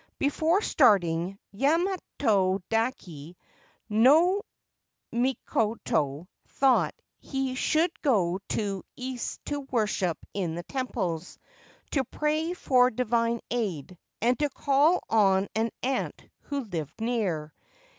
Before starting, Yamato dake no Mikoto thought he should go to Ise to worship in the temples, to pray for divine aid, and to call on an aunt who lived near.